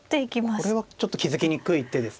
これはちょっと気付きにくい手ですね。